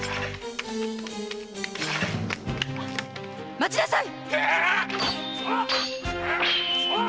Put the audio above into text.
待ちなさい！